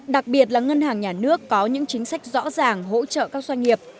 đặc biệt là ngân hàng nhà nước có những chính sách rõ ràng hỗ trợ các doanh nghiệp